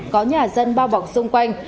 có nhà dân bao bọc xung quanh